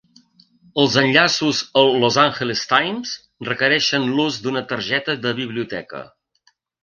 "Els enllaços al "Los Angeles Times" requereixen l'ús d'una targeta de biblioteca"